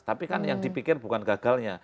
tapi kan yang dipikir bukan gagalnya